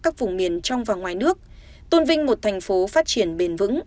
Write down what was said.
các vùng miền trong và ngoài nước tôn vinh một thành phố phát triển bền vững